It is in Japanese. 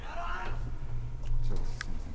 こちらこそすいませんでした。